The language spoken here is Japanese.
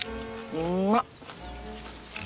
うまっ！